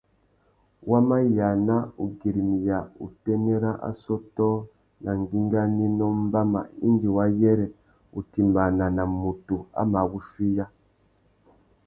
Wa mà yāna ugüirimiya utênê râ assôtô nà ngüinganénô mbama indi wa yêrê utimbāna nà mutu a mà wuchuiya.